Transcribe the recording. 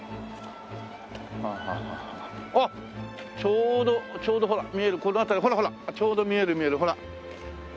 あっちょうどちょうどほら見えるこの辺りほらほらちょうど見える見えるほら。